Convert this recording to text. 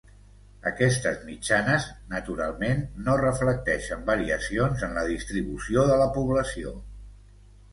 Aquestes mitjanes, naturalment, no reflecteixen variacions en la distribució de la població.